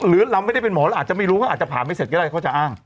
หรือเราไม่ได้เป็นหมอเราอาจจะไม่รู้เขาอาจจะผ่านไม่เสร็จก็ได้เขาจะอ้าง